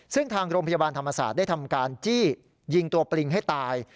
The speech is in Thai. ซึ่งทางโรงพยาบาลธรรมศาสตร์ได้ทำการจี้ยิงตัวปริงให้ตาย